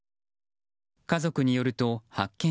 家族によると発見